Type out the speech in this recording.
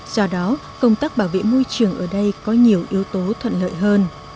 do đó công tác bảo vệ môi trường ở đây có nhiều yếu tố thuận lợi hơn